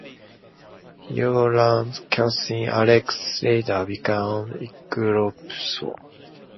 Yolanda's cousin Alex later became Eclipso.